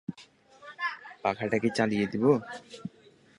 পাখাটা কি চালিয়ে দেব।